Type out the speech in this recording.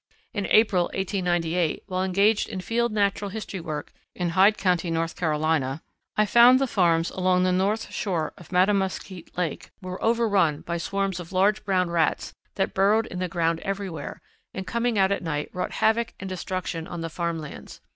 In April, 1898, while engaged in field natural history work in Hyde County, North Carolina, I found the farms along the north shore of Matamuskeet Lake were overrun by swarms of large brown rats that burrowed in the ground everywhere, and coming out at night wrought havoc and destruction on the farm lands.